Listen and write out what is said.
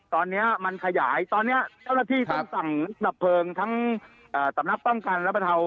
ตอนเนี้ยมันขยายตอนเนี้ยเจ้ารถที่ต้องสั่งปะเผลิงทั้งอ่าสำนับป้องการระบนเทา